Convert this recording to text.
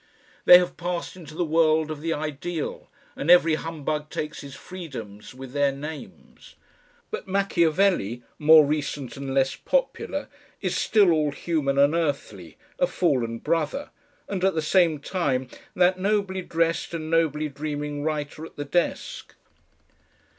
They have passed into the world of the ideal, and every humbug takes his freedoms with their names. But Machiavelli, more recent and less popular, is still all human and earthly, a fallen brother and at the same time that nobly dressed and nobly dreaming writer at the desk.